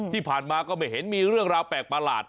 ที่ผ่านมาก็ไม่เห็นมีเรื่องราวแปลกประหลาด